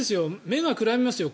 目がくらみますと。